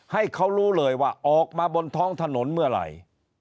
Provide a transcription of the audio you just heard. ให้เขารู้เลยว่าออกมาบนท้องถนนเมื่อไหร่